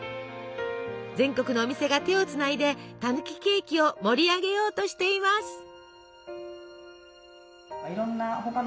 全国のお店が手をつないでたぬきケーキを盛り上げようとしています。